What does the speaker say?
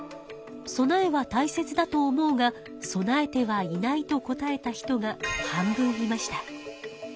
備えは大切だと思うが備えてはいないと答えた人が半分いました。